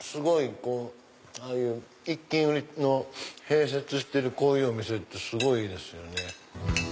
ああいう１斤売りの併設してるお店ってすごいいいですよね。